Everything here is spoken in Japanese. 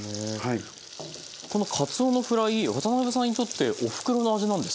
このかつおのフライ渡辺さんにとっておふくろの味なんですって？